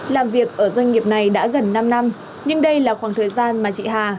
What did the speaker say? làm việc ở doanh nghiệp này đã gần năm năm nhưng đây là khoảng thời gian mà chị hà